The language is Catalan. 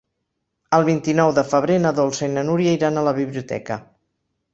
El vint-i-nou de febrer na Dolça i na Núria iran a la biblioteca.